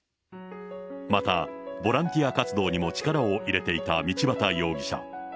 またボランティア活動にも力を入れていた道端容疑者。